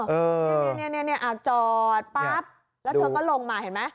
นี่จอดปั๊บแล้วเธอก็ลงมาเห็นไหม